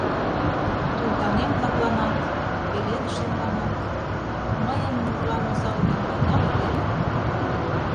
Вулканем-влакланат, пеледышемланат мыйын нунылан оза улмем пайдале веле.